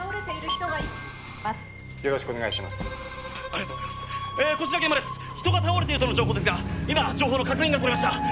人が倒れているとの情報ですが今情報の確認が取れました！